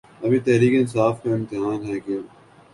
اب یہ تحریک انصاف کا امتحان ہے کہ